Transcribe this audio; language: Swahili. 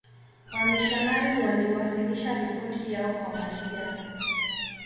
wamishionari waliwasilisha ripoti yao kwa malkia